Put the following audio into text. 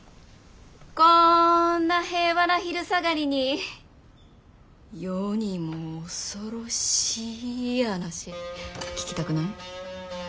こんな平和な昼下がりに世にも恐ろしい話聞きたくない？